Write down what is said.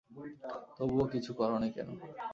তবুও কিছু করো নি কেন?